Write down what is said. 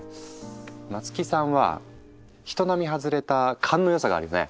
松木さんは人並み外れた勘の良さがあるよね。